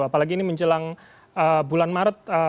apalagi ini menjelang bulan maret